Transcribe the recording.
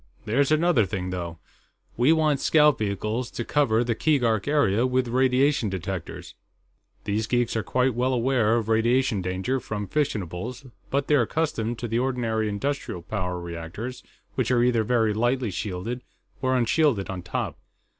"There's another thing, though. We want scout vehicles to cover the Keegark area with radiation detectors. These geeks are quite well aware of radiation danger from fissionables, but they're accustomed to the ordinary industrial power reactors, which are either very lightly shielded or unshielded on top.